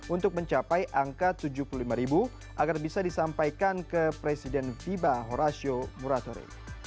untuk mencapai angka tujuh puluh lima agar bisa disampaikan ke presiden fiba horatio moratori